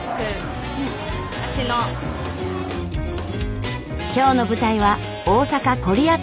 今日の舞台は大阪コリアタウン。